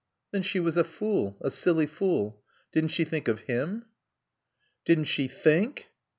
"Then she was a fool. A silly fool. Didn't she think of him?" "Didn't she think!"